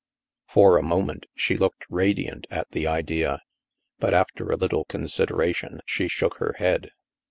For a moment, she looked radiant at the idea. But, after a little consideration, she shook her head.